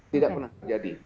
tidak pernah terjadi